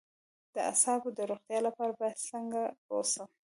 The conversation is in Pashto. د اعصابو د روغتیا لپاره باید څنګه اوسم؟